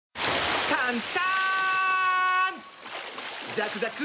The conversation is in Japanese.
ザクザク！